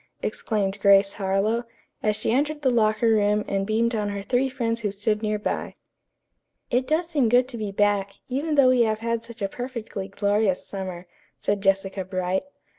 exclaimed Grace Harlowe, as she entered the locker room and beamed on her three friends who stood near by. "It does seem good to be back, even though we have had such a perfectly glorious summer," said Jessica Bright.